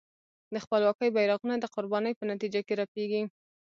د خپلواکۍ بېرغونه د قربانۍ په نتیجه کې رپېږي.